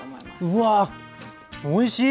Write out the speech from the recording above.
うわおいしい！